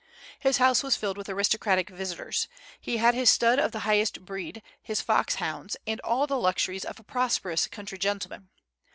His house was filled with aristocratic visitors. He had his stud of the highest breed, his fox hounds, and all the luxuries of a prosperous country gentleman.